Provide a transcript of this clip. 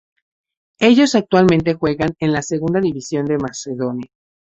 Ellos actualmente juegan en la Segunda División de Macedonia.